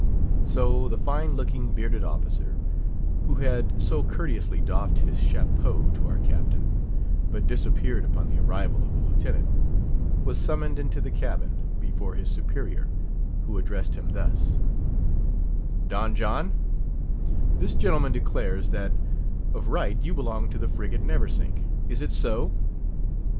So the fine looking, bearded officer, who had so courteously doffed his chapeau to our Captain, but disappeared upon the arrival of the Lieutenant, was summoned into the cabin, before his superior, who addressed him thus:— "Don John, this gentleman declares, that of right you belong to the frigate Neversink. Is it so?"